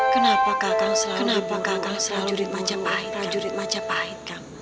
kenapa kakak selalu juri majapahit kang